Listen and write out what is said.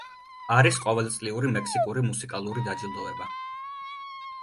არის ყოვეწლიური მექსიკური მუსიკალური დაჯილდოება.